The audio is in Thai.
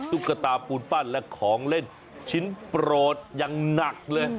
ตุ๊กตาปูนปั้นและของเล่นชิ้นโปรดยังหนักเลย